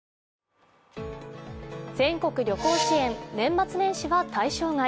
全国旅行支援、年末年始は対象外。